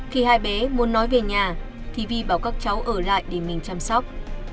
khi hai bé muốn nói về nhà thì vi bảo các cháu ở lại để mình chăm sóc